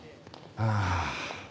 ああ。